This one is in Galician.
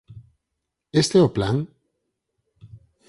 Este é o plan?